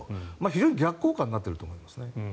非常に逆効果になっていると思いますね。